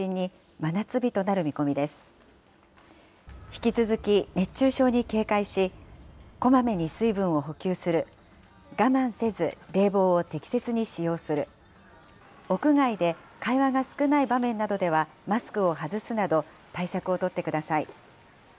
引き続き熱中症に警戒し、こまめに水分を補給する、我慢せず冷房を適切に使用する、屋外で会話が少ない場面などでは、マスクを外すなど、対策を取ってください。